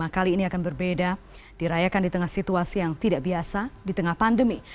kali ini akan berbeda dirayakan di tengah situasi yang tidak biasa di tengah pandemi